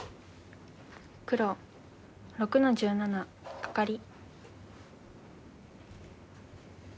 黒６の十七カカリ。